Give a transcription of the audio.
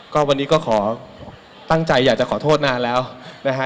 ก็วันนี้ก็ขอตั้งใจอยากจะขอโทษนานแล้วนะฮะ